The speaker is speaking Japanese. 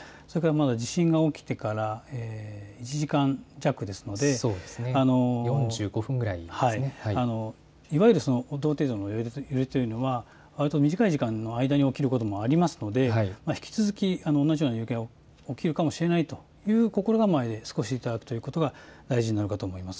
地震が起きてから１時間弱ですので４５分ぐらいですね、いわゆる同程度の揺れというのは、わりと短い時間の間に起きることもありますので引き続き揺れが起きるかもしれないという心構えでお過ごしいただくことが大事かと思います。